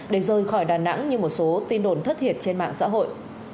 để rời khỏi đà nẵng như một số tin đồn thất thiệt trên mạng xã hội